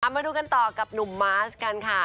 มาดูกันต่อกับหนุ่มมาสกันค่ะ